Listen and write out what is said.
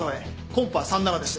コンパ３・７です。